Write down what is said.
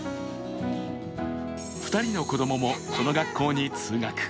２人の子供もこの学校に通学。